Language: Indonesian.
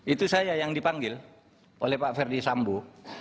itu saya yang dipanggil oleh pak ferdisambu